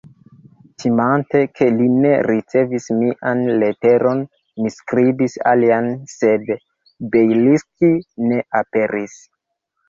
Timante, ke li ne ricevis mian leteron, mi skribis alian, sed Bjelski ne aperis.